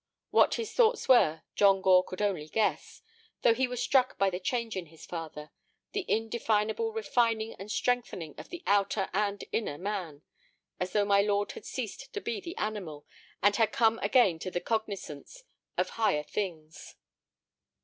What his thoughts were John Gore could only guess, though he was struck by the change in his father, the indefinable refining and strengthening of the outer and inner man, as though my lord had ceased to be the animal, and had come again to the cognizance of higher things.